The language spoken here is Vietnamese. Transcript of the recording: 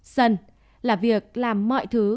sân là việc làm mọi thứ